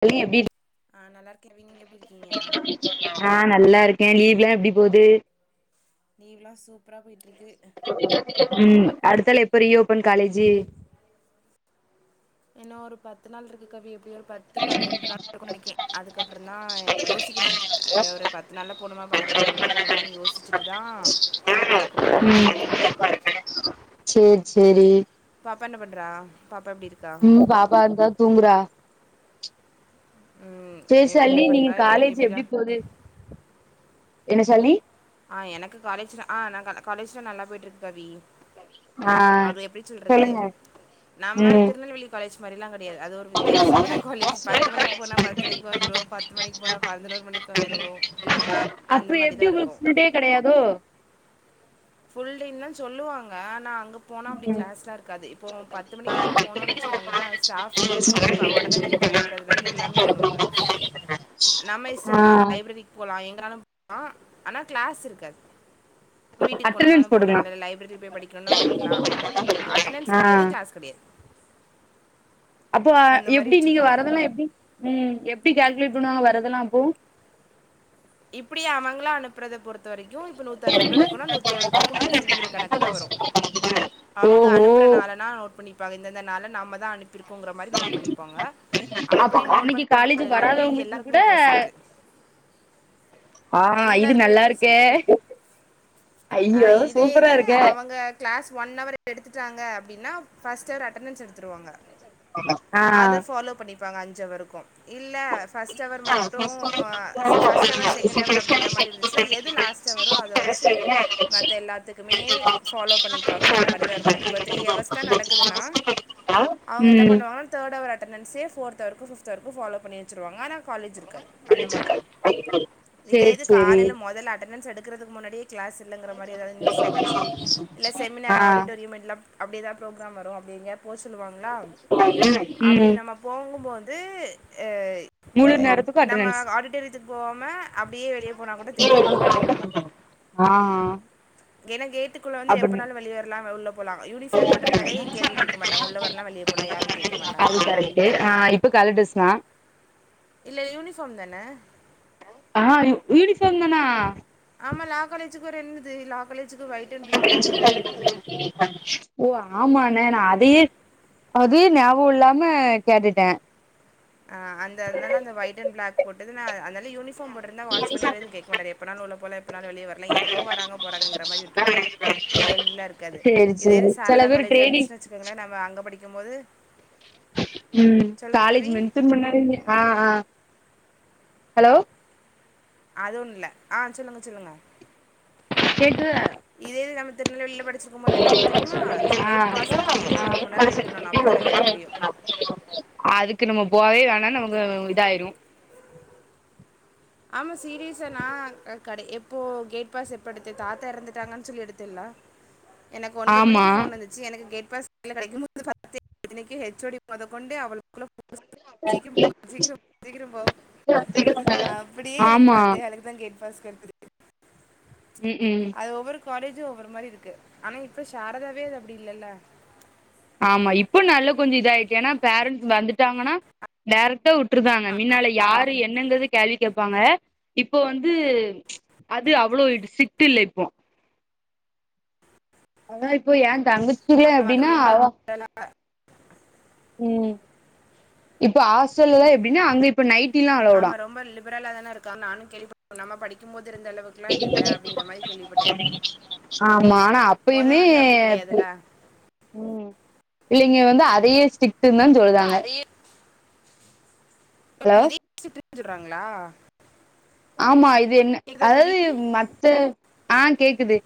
பையே எப்டி ஆ நல்லா இருக்கே நீங்க எப்டி இருக்கீங்க ஆ நல்லா இருக்கே லீவ்லா எப்டி போது லீவ்லா சூப்பரா போயிட்டு இருக்கு ம் அடுத்தால எப்போ ரீ ஓபன் காலேஜு இன்னு ஒரு பத்து நாள் இருக்கு கவி எப்டி ஒரு பத் து பன்னிரெண்டு நாள் இருக்குனு நெனைக்கே அதுக்கப்புறந்தா யோசிக்கணு ஒரு பத்து நாள்ல போணுமா பன்னிரெண்டு நாள்ல போனுமானு யோசிச்சுட்டு தா அதுக்கப்புறோ போற மாரி இருக்கு சேர் சேரி பாப்பா என்ன பண்றா பாப்பா எப்டி இருக்கா ம் பாப்பா இந்தா தூங்குறா ம் செரி எ என்ன சல்லி நீங்க பண்றா காலேஜ் எப்டிடா எப்டி போது என்ன சல்லி ஆ எனக்கு காலேஜ் ஆ நா காலே காலேஜ்லா நல்லா போயிட்டு இருக்கு கவி ஆ அது எப்டி சொல்றது சொல்லுங்க நம்ம ம் திருநெல்வேலி காலேஜ் மாறிலா கெடையாது அது ஒரு வித்தியாசமான காலேஜ் பத்து மணிக்கு போனா பத்தரைக்கு வந்துருவோ பத்து மணிக்கு போனா பதினோரு மணிக்கு வந்துருவோ அந்த அப்றோ மாரி எப்டி தா இருக்கு உங்களுக்கு ஃபுல் டே கெடையாதோ ஃபுல் டேனு தா சொல்லுவாங்க ஆனா அங்க போனா அப்டி ம் க்ளாஸ்லா இருக்காது இப்போ பத்து மணிக்கு நம்ம பத்து போனோம்னு மணிக்கு நம்ம வச்சுக்கோங்களே ஸ்டாஃப் இல்லன்னு சொல்லிட்டு ப ஒடன திருப்பி அனுப்புறதுல இருந்து எல்லாமே பண்ணுவாங்க [unintelligible] நம்ம ஆ இஷ்டோந்தா லைப்ரரிக்கு போலா எங்கனாலு போ லா க்ளாஸ் இருக்காது வீட்டுக்கு போனுனாலு அட்டண்டன்ஸ் போலா போட்டுக்கலா இல்ல லைப்ரரியில போயி படிக்கணும்னாலு படிக்கலா அட்டனன்ஸ் ஆ கெடையாது க்ளாஸ் கெடையாது அப்போ மாதிரி எப்டி நீங்க வச்சுருப்பாங்க வர்றதுனா எப்டி ம் எப்டி கால்குலேட் பண்ணுவாங்க வரதெல்லா அப்போ இப்டி அவங்களா அனுப்புறத பொறுத் து வரைக்கு இப்ப நூத்து அறுவது பேரு இருக்கோனு நூத்தி அறுபது பேருக்கு ப்ரசன்ட்ங்கிற கணக்கு தா வரு அவங்க ஓஹோ அனுப்புற நாளனா நோட் பண்ணிப்பாங்க இந்தந்த நாளுனு நாம தா அனுப்பிருப் போங்கற மாரி நோட் பண்ணிப்பாங்க அப்ப அப்புடி நோட் அன்னைக்கு பண்ற காலேஜ் நாள் எல்லாமே வராதவங்களுக்கு கூட எல்லாருக்குமே ப்ரசன்டு ஆ இது எல்லாருக்குமே நல்லா இருக்கே ப்ரசன்டு அ ஐயோ இதே சூப்பரா இது இருக்கே அவங்க க்ளாஸ் ஒன் ஹவர் எடுத்துட்டாங்க அப்டினா ஃபஸ்ட் ஹர் அட்டன்ஸ் எடுத் துருவாங்க ஆ அத பாலோ பண்ணி பாங்க அஞ்சி ஹவருக்கு இல்ல ஃபஸ்ட்ர் ஹவர் மட்டு ஃபர்ஸ்ட் ஆ time first hour second hour அப்டிங்கிற மாரி இருந்துச்சுன்னா எது லாஸ்ட் அவரோ அத வச்சு மத்த எல்லாத்துக் குமே ஃபாலோ பண்ணிப்பாங்க அந்த மாரி தா இருக்கு இப்ப த்ரீ அவர்ஸ் தா நடக்குதுன்னா அவுங்க எ ம் பண்ணுவாங்கா தேர்டு அவர் அட்டன்சே ஃபோர்த் அவரு ஃபிப்த் அவருக்கு ஃபாலோ பண்ணி வச்சுருவாங்க ஆன காலேஜ் இருக்காது அந்த மாதிரி பிளிச்சிக்கா [unintelligible] இதே இது காலேல முதல அட்டண்டன்ஸ் எடுக்கிறதுக்கு முன்னாடியே க்ளாஸ் இல்லங்கிற மாரி ஏதாவ்து நியூஸ் வந்துச்சு இல்ல செமினார் ஆ ஆடிடோரிய எல்லா அப்டிதா ப்ரோக்ராம் வரு அப்டி எங்கயாது போ சொல்லுவாங்களா அப்டி ம் நம்ப போகுபோது ஏய் முழு ஏ நேரத்துக்கு நம்ப அட்டனன்ஸ் ஆடிட்டோரியத்துக்கு போவா ம அப்டியே வெளியே போனா கூட தெரியாது ஆ எனா கேட்டுக் குள்ள வந்து அப்படி எப்பனாலு வெளியேறலா உள்ள போலா யூனிபார்ம் போட்ருந்தாலே கேள்வி கேக்க மாட்டங்க உள்ள வர்லா வெளிய போல யாரு கேக் க மாட்டாங்க ஆனா இப்ப கலர் டிரஸ்ஸுதா இல்ல யூனிபார்ம் தான ஆ யூனிபார்ம் தானா ஆமா லா காலேஜுக்கு ஒரு என்னுது லா காலேஜுக்கு ஒயிட் அண்ட் பிளாக் யூனிஃபார்ம் ஓ ஆமாண்ண நா அதயே அதே ஞாபகோ இல்லாம கேட்டுட்டே அ அந்த அதனால அந்த ஒய்ண்ட் அண் பிளாக் போட்டுது நா அதனால யூனிஃபார் போட்டிருந்தா வாட்சமன் வேற எது கேக் [inaudible] எப்பனாலூ உள்ள போல எப்பனாலு வெளிய வர்ல எதுக்கோ வராங்க போறங்க மாரி விட்டுருவாங்க கேள்விலா இருக்காது சேரி இதேது சேரி சில சாரதா பேர் காலேஜா ட்ரைனிங் இருந்துச்சுன்னு வச்சுக்கோங்களே நம்ம அங்க படிக்குமோது ம் காலேஜ் மேன்சன் பண்ணாதீங்க ஆ அ ஹலோ அது ஒண்ணு இல்ல ஆ சொல்லுங்க சொல்லுங்க கேக்குதா இதேது நம்ம திருநல்வேலில படிச்சிருப் ஆ அ [inaudible] இருக்கிறதுக்கே ஒரு மணி நேரம் வெயிட் பண்ணணும் அப்போ தான் வெளியே வர முடியும் அது க்கு நம்ம போவே வேணா நமக்கு இதாயிரு ஆமா சீரியஸா நா கடே எப்போ கேட் பாஸ் எப்ப எடுத்து தாத்தா எறந்துட்டாங்கன்னு சொல்லி எடுத்தேல எனக்கு ஒன்பது ஆமா மணிக்கு ஃபோன் வந்ச் சி எனக்கு கேட் பாஸ் கைல கெடைக்கு மோது பத்தே இத்தனைக்கி ஹெச் ஓ டி மொதக்கொண்டு அவள [inaudible] சீக்கிர போ சீக்கிர போ சீக்கிர போ ஞாத்திகெழம இப்டியே எனக்கு பத்தே ஹலுக்கு தா கேட் பாஸ் [inaudible] ம் ஹ்ம் அது ஒவ்வொரு காலேஜும் ஒவ்வொரு மாரி இருக்கு ஆனா இப்ப சாரதாவே அது அப்டி இல்லல்ல ஆமா இப்போ நல்ல கொஞ்ச இதயிடுச்சு ஏன்னா பேரண்ட்ஸ் வந்துட்டாங்கன்னா டேரக்ட்டா விட்டுருதாங்க மீண்னால யாரு என்னங்கறது கேள்வி கேட்பாங்க இப்போ வந்து அது அவ்ளோ ஸ்ட்ரிக்ட் இல்ல இப்போ அதா இப்போ ஏ தங்கச்சிக்குலா ஆமா எப்டினா அவ [inaudible] ம் இப்ப ஹாஸ்டல் தா எப்டின்னா அங்க இப் ப நைட்டில அல் ஆமா ரொம்ப லிபரலா தானே இருக்கா நானு கேள்ப்ப நம்ம படிக் ருக்கும் போது இருந்த அளவுக்கெல்லா இது இல்ல அப்படிங்கிற மாரி கேள்விப்பட்டே ஆமா ஆனா மொத அப்பயுமே வந்து அப்டி கெடையாதுல்ல ம் இல்லைங்க வந்து அதையே ஸ்டிக்டுன் தா சொல்லுதாங்க அதையே ஓ ஹலோ இதையே ஸ்ட்ரிக்ட்டுன் சொல்றாங்களா ஆமா இது என்ன கேக்குதா கவி அதாவது மத்த ஆ கேக்குது